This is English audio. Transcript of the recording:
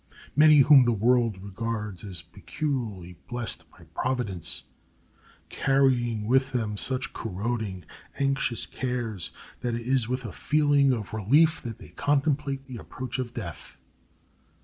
Many whom the world regards as peculiarly blessed by Providence carry with them such corroding, anxious cares that it is with a feeling of relief that they contemplate the approach of death.